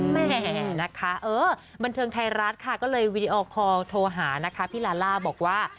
แม่นะคะเออบันเทิงไทยรัฐค่ะก็เลยวีดีโอคอลโทรหานะคะพี่ลาล่าบอกว่า